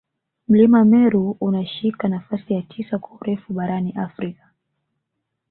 Mlima Meru unashika nafasi ya tisa kwa urefu barani Afrika